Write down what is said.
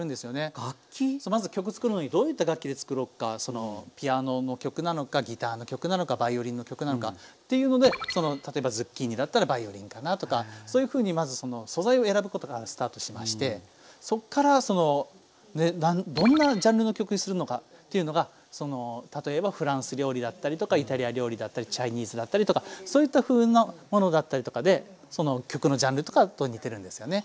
そうまず曲作るのにどういった楽器で作ろっかピアノの曲なのかギターの曲なのかバイオリンの曲なのかっていうので例えばズッキーニだったらバイオリンかなとかそういうふうにまず素材を選ぶことからスタートしましてそっからそのどんなジャンルの曲にするのかていうのが例えばフランス料理だったりとかイタリア料理だったりチャイニーズだったりとかそういったふうのものだったりとかでその曲のジャンルとかと似てるんですよね。